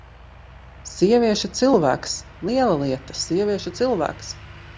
Sievieša cilvēks! Liela lieta: sievieša cilvēks!